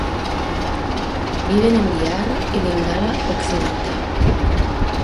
Viven en Bihar y Bengala occidental.